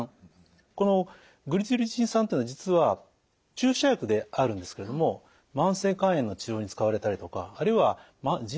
このグリチルリチン酸というのは実は注射薬であるんですけれども慢性肝炎の治療に使われたりとかあるいはじん